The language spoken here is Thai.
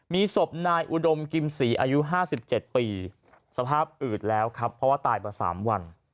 มีศพนายอุดมกิมศรีอายุ๕๗ปีสภาพอืดแล้วครับเพราะว่าตายมา๓วัน